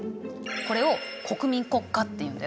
これを国民国家っていうんだよ。